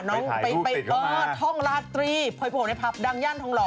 น้องเจ้านาย